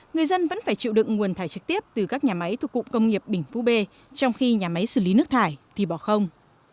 người dân vẫn phải chịu đựng nguồn thải trực tiếp từ các nhà máy thuộc cụm công nghiệp bình phú b trong khi nhà máy xử lý nước thải thì bỏ không